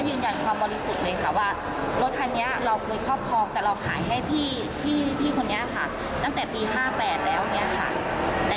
แล้วขายให้พี่ตั้งแต่ปี๕๘แล้วแต่พาไปพี่เป็นน้องกันเรา